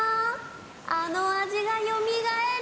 あのあじがよみがえる！